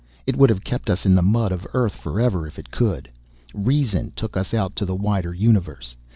It would have kept us in the mud of Earth forever, if it could. Reason took us out to the wider universe.